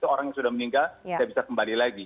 orang yang sudah meninggal tidak bisa kembali lagi